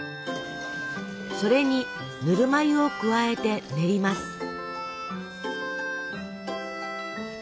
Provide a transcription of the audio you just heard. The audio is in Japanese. それにぬるま湯を加えて練ります。